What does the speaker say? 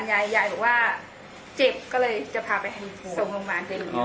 ให้จำนวงมา